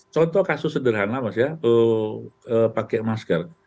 contoh kasus sederhana mas ya pakai masker